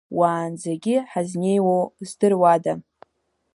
Уаанӡагьы ҳазнеиуоу здыруада.